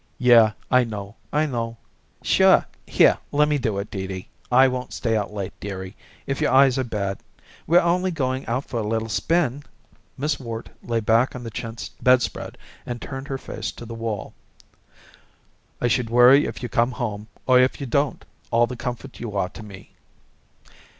"Yeh, I know. I know." "Sure! Here, lemme do it, Dee Dee. I won't stay out late, dearie, if your eyes are bad. We're only going out for a little spin." Miss Worte lay back on the chintz bedspread and turned her face to the wall. "I should worry if you come home or if you don't all the comfort you are to me."